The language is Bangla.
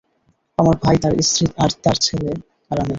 আমার ভাই, তার স্ত্রী, তার ছেলে আর আমি।